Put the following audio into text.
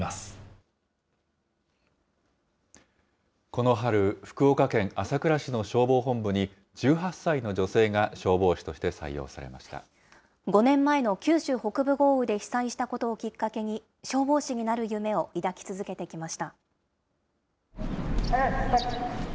この春、福岡県朝倉市の消防本部に、１８歳の女性が消防士として採用され５年前の九州北部豪雨で被災したことをきっかけに、消防士になる夢を抱き続けてきました。